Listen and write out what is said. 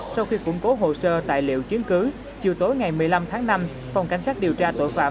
sau khi củng cố hồ sơ tài liệu chứng cứ chiều tối ngày một mươi năm tháng năm phòng cảnh sát điều tra tội phạm